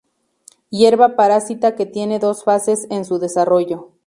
Hierba parásita que tiene dos fases en su desarrollo.